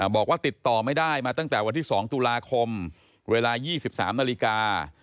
บอกว่าติดต่อไม่ได้มาตั้งแต่วันที่๒ตุลาคมเวลา๒๓นาฬิกา